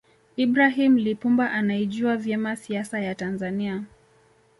ibrahim Lipumba anaijua vyema siasa ya tanzania